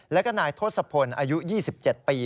แล้วก็นายทศพลอายุ๒๗ปี